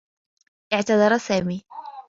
اعتذر سامي.